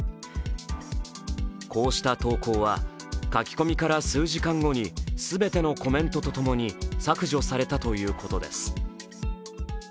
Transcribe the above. こうした投稿は、書き込みから数時間後に全てのコメントと共に削除されたということです。